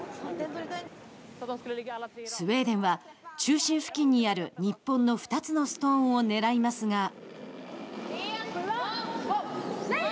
スウェーデンは中心付近にある日本の２つのストーンを狙いますが。